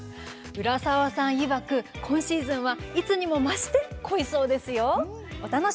浦沢さんいわく、今シーズンはいつにも増して濃いそうですよ。